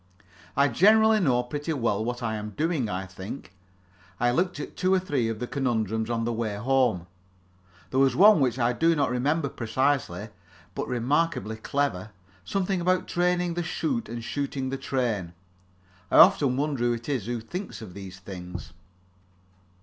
I generally know pretty well what I am doing, I think. I looked at two or three of the conundrums on the way home. There was one which I do not remember precisely, but remarkably clever something about training the shoot and shooting the train. I often wonder who it is who thinks of these things.